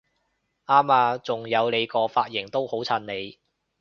啱吖！仲有你個髮型都好襯你！